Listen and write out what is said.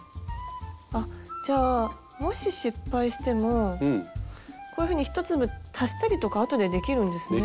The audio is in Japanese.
あっじゃあもし失敗してもこういうふうに１粒足したりとかあとでできるんですね？